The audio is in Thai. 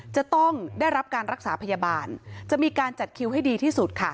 จะต้องได้รับการรักษาพยาบาลจะมีการจัดคิวให้ดีที่สุดค่ะ